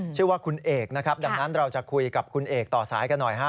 ชื่อว่าคุณเอกนะครับดังนั้นเราจะคุยกับคุณเอกต่อสายกันหน่อยฮะ